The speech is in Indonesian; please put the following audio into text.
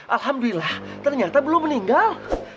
alhamdulillah ternyata belum meninggal